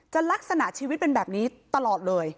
ลักษณะชีวิตเป็นแบบนี้ตลอดเลย